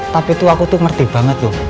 tapi tuh aku tuh ngerti banget loh